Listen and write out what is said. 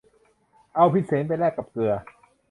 เอาพิมเสนไปแลกกับเกลือ